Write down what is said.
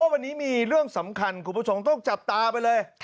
ว่าวันนี้มีเรื่องสำคัญคุณประสงค์ต้องจับตาไปเลย